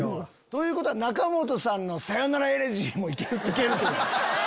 ということは仲本さんの『さよならエレジー』も行ける。